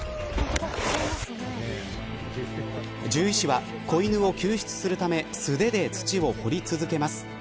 獣医師は子犬を救出するため素手で土を掘り続けます。